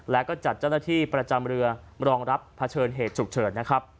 และจัดเจ้าหน้าที่ประจำบริเวณรองรับเผชิญเหตุฉุกเฉิด